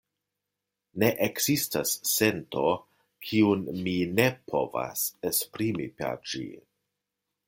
Ne ekzistas sento, kiun mi ne povas esprimi per ĝi.